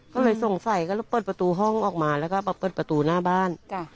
ก็เลยสงสัยก็เลยเปิดประตูห้องออกมาแล้วก็มาเปิดประตูหน้าบ้าน